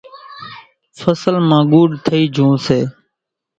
ڦصل مان ڳُوڏ ٿئِي جھون سي۔